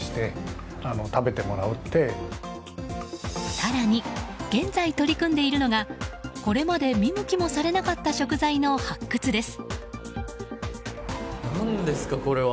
更に現在、取り組んでいるのがこれまで見向きもされなかった食材の発掘です。